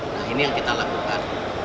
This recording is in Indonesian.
nah ini yang kita lakukan